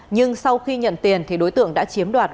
nhưng sau khi nhận tiền thì đối tượng đã chiếm đoạt